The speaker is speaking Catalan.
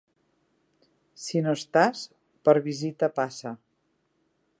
Si no estàs, per visita passa.